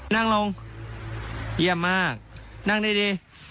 นั่งลงเยี่ยมมากนั่งดี